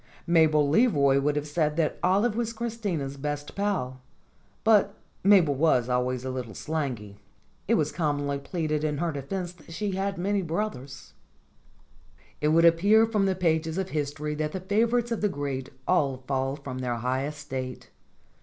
Mabel Leroy would have said that Olive was Chris tina's best pal, but Mabel was always a little slangy. CHRISIMISSIMA 117 It was commonly pleaded in her defense that she had many brothers. It would appear from the pages of history that the favorites of the great all fall from their high estate.